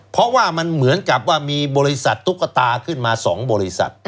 เพราะว่ามันเหมือนกับว่ามีบริษัทตุ๊กตาขึ้นมา๒บริษัท